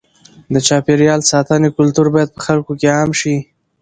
د چاپېریال ساتنې کلتور باید په خلکو کې عام شي.